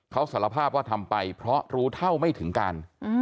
เขาสารภาพว่าทำไปเพราะรู้เท่าไม่ถึงการ